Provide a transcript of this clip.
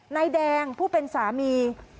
นายแดงผู้เป็นสามี